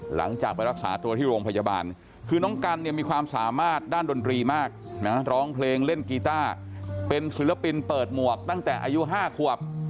หลังจากไปรักษาตัวที่โรงพยาบาลคือน้องกันเนี่ยมีความสามารถด้านดนตรีมากนะร้องเพลงเล่นกีต้าเป็นศิลปินเปิดหมวกตั้งแต่อายุ๕ขวบ